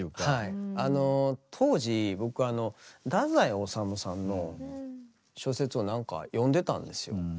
当時僕あの太宰治さんの小説をなんか読んでたんですよ。